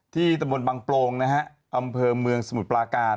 ที่ตระบวนบางโปรงอำเภอเมืองสมุดปลาการ